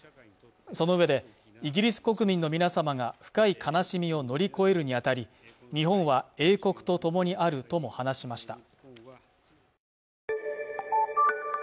そのうえでイギリス国民の皆様が深い悲しみを乗り越えるにあたり日本は英国と共にあるとも話しました